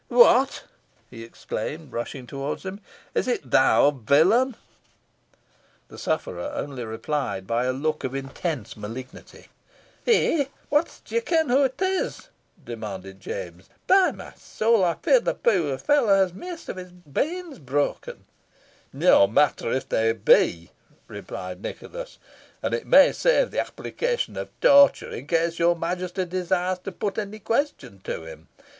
"What?" he exclaimed, rushing towards him. "Is it thou, villain?" The sufferer only replied by a look of intense malignity. "Eh! what d'ye ken wha it is?" demanded James. "By my saul! I fear the puir fellow has maist of his banes broken." "No great matter if they be," replied Nicholas, "and it may save the application of torture in case your Majesty desires to put any question to him.